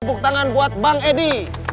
tepuk tangan buat bang edi